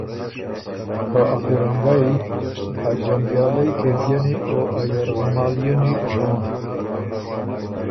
که ا پیرنګئ، ا جنګیالئ قېدئنی او ا یرغمالئنی ژون